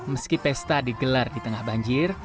meski pesta digelar di tengah banjir